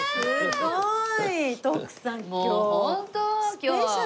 すごい！